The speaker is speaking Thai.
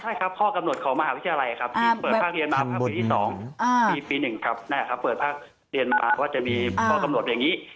ใช่ครับข้อกำหนดของมหาวิทยาลัยครับที่เปิดภาคเรียนมาภาคปีที่๒ปี๑ครับเปิดภาคเรียนมาว่าจะมีข้อกำหนดอย่างนี้